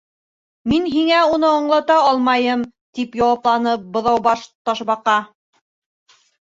—Мин һиңә уны аңлата алмайым, —тип яуапланы Быҙаубаш Ташбаҡа.